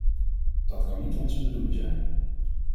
Dat kan niet onze bedoeling zijn.